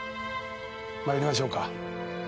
参りましょうか。